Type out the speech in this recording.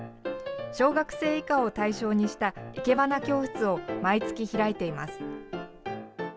小学生以下を対象にした生け花教室を毎月、開いています。